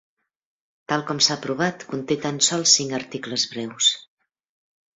Tal com s'ha aprovat, conté tan sols cinc articles breus.